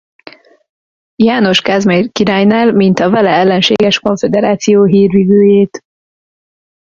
János Kázmér királynál mint a vele ellenséges konföderáció hírvivőjét.